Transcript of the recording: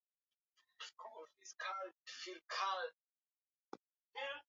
Kuna aina ya chura wanaopatikana jozani na hawapatikani dunia nzima